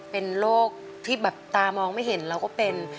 เป็นโรคที่แบบตามองไม่เห็นเราก็เป็น